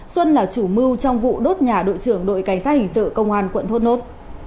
xuân là chủ mưu trong vụ đốt nhà đội trưởng đội cảnh sát hình sự công an quận thốt nốt